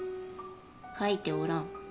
書いておらん。